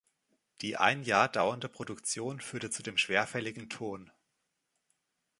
Die ein Jahr dauernde Produktion führte zu dem schwerfälligen Ton.